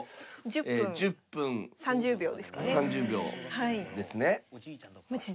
１０分３０秒ですかね。